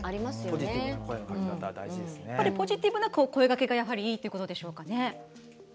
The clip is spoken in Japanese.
ポジティブな声かけがいいということですかね。